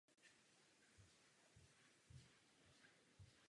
Nechci se vracet ke svému úvodnímu prohlášení.